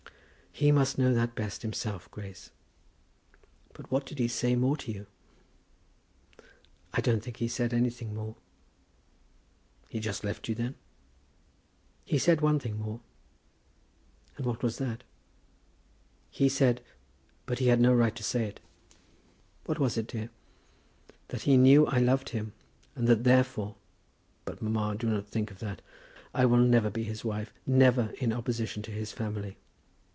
"He must know that best himself, Grace; but what did he say more to you?" "I don't think he said anything more." "He just left you then?" "He said one thing more." "And what was that?" "He said; but he had no right to say it." "What was it, dear?" "That he knew I loved him, and that therefore But, mamma, do not think of that. I will never be his wife, never, in opposition to his family."